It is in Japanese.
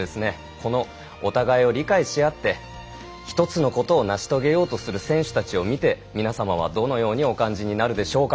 このお互いを理解し合って一つのことを成し遂げようとする選手たちを見て皆さまは、どのようにお感じになるのでしょうか。